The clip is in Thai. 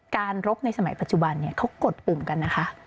รบในสมัยปัจจุบันเขากดปุ่มกันนะคะ